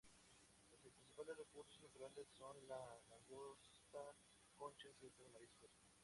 Los principales recursos naturales son la langosta, conchas y otros mariscos.